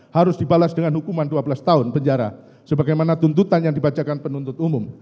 harus dibalas dengan hukuman dua belas tahun penjara sebagaimana tuntutan yang dibacakan penuntut umum